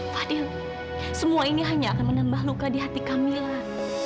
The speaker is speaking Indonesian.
fadil semua ini hanya akan menambah luka di hati kamilah